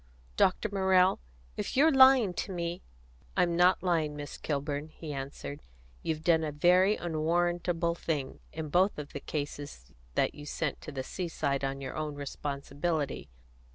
"Dr. Morrell, if you are lying to me " "I'm not lying, Miss Kilburn," he answered. "You've done a very unwarrantable thing in both of the cases that you sent to the seaside on your own responsibility.